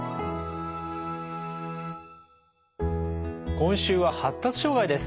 今週は発達障害です。